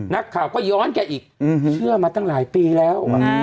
นักข่าวก็ย้อนแกอีกเชื่อมาตั้งหลายปีแล้ว